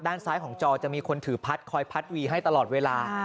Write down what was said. ด้านซ้ายของจอจะมีคนถือพัดคอยพัดวีให้ตลอดเวลา